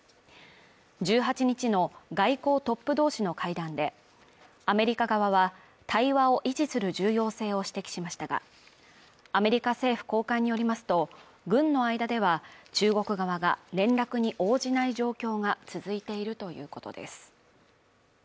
１８日の外交トップ同士の会談で、アメリカ側は対話を維持する重要性を指摘しましたが、アメリカ政府高官によりますと、軍の間では、中国側が連絡に応じない状況が続いているということです。